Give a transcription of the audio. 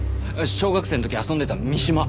小学生の時遊んでた三島。